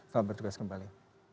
saya berjogas kembali